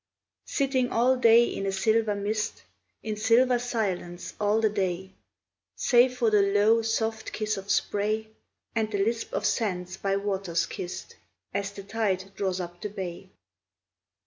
Sitting all day in a silver mist, In silver silence all the day, Save for the low, soft kiss of spray, And the lisp of sands by waters kissed, As the tide draws up the bay.